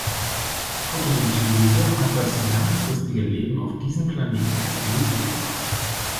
Photosynthese hat das langfristige Leben auf diesem Planeten erst möglich gemacht.